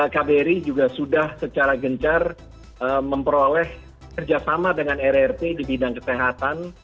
kbri juga sudah secara gencar memperoleh kerjasama dengan rrt di bidang kesehatan